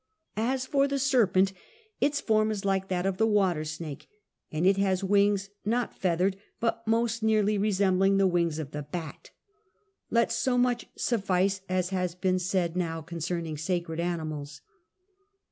As for the serpent its form is like that of the watersnake; and it has wings not feathered but most nearly resembling the wings of the bat. Let so much suffice as has been said now concerning sacred animals.